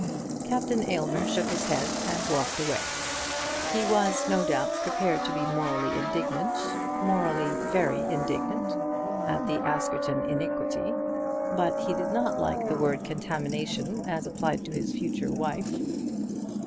Captain Aylmer shook his head and walked away. He was, no doubt, prepared to be morally indignant, morally very indignant, at the Askerton iniquity; but he did not like the word contamination as applied to his future wife.